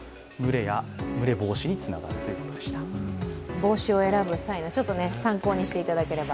帽子を選ぶ際の参考にしていただければ。